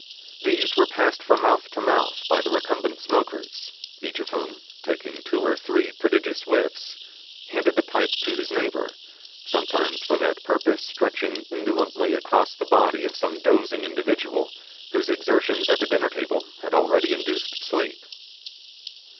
These were passed from mouth to mouth by the recumbent smokers, each of whom, taking two or three prodigious whiffs, handed the pipe to his neighbour; sometimes for that purpose stretching indolently across the body of some dozing individual whose exertions at the dinner table had already induced sleep.